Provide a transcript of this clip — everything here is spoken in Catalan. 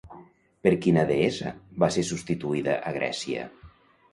Per quina deessa va ser substituïda a Grècia?